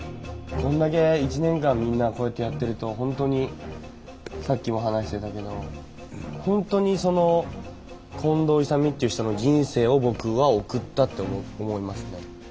こんだけ１年間みんなこうやってやってると本当にさっきも話してたけど本当にその近藤勇っていう人の人生を僕は送ったって思いますね。